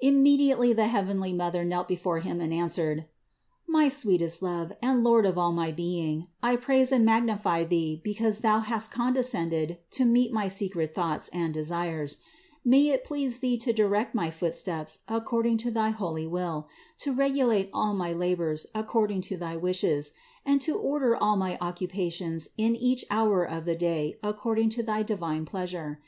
Immediately the heavenly Mother knelt before Him and answered: "My sweetest Love, and Lord of all my being, I praise and magnify Thee because Thou hast condescended to meet my secret thoughts and de sires ; may it please Thee to direct my footsteps according to thy holy will, to regulate all my labors according to thy wishes, and to order all my occupations in each hour of the day according to thy divine pleasure.